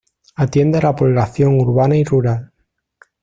Atiende a la población urbana y rural.